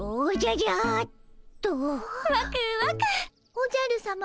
おじゃるさま